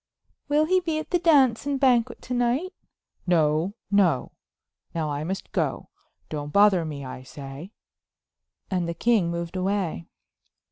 "Will he be at the dance and banquet to night?" "No! No! Now I must go; don't bother me, I say." And the king moved away.